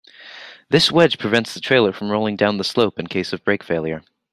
This wedge prevents the trailer from rolling down the slope in case of brake failure.